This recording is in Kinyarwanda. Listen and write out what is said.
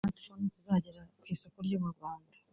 Kuva telefone zigezweho (smartphones) zagera ku isoko ryo mu Rwanda